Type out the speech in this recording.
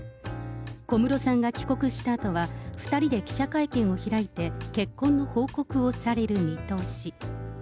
小室さんが帰国したあとは、２人で記者会見を開いて、結婚の報告をされる見通し。